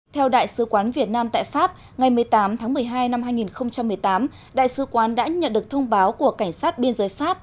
theo đại sứ quán việt nam tại pháp ngày một mươi tám tháng một mươi hai năm hai nghìn một mươi tám đại sứ quán đã nhận được thông báo của cảnh sát biên giới pháp